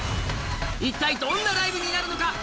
一体どんなライブになるのか？